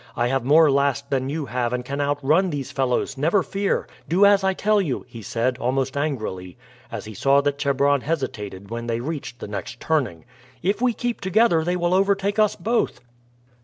I have more last than you have and can outrun these fellows, never fear. Do as I tell you," he said almost angrily as he saw that Chebron hesitated when they reached the next turning. "If we keep together they will overtake us both."